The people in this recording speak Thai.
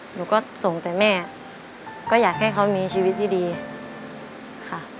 หนูก็ส่งแต่แม่ก็อยากให้เขามีชีวิตที่ดีค่ะ